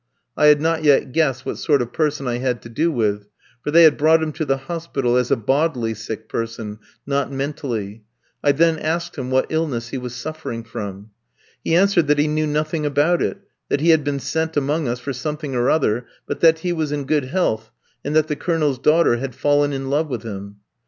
I had not yet guessed what sort of person I had to do with, for they had brought him to the hospital as a bodily sick person, not mentally. I then asked him what illness he was suffering from. He answered that he knew nothing about it; that he had been sent among us for something or other; but that he was in good health, and that the Colonel's daughter had fallen in love with him.